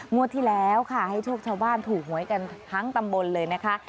ที่แล้วค่ะให้โชคชาวบ้านถูกหวยกันทั้งตำบลเลยนะคะ